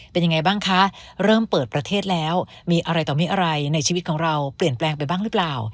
เป็นยังไงบ้างคะเริ่มเปิดประเทศแล้วมีอะไรต่อไม่อะไรในชีวิตของเราเปลี่ยนแปลงไปบ้างหรือเปล่า